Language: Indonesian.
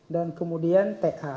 dan kemudian ta